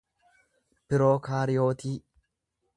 pirookaariyootii